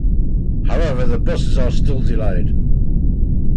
However, the buses are still delayed.